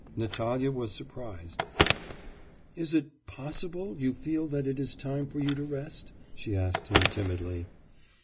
Natalya was surprised. 'Is it possible you feel that it is time for you to rest?' she asked him timidly.